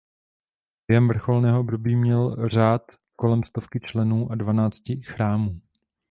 Během vrcholného období měl řád kolem stovky členů a dvanácti „chrámů“.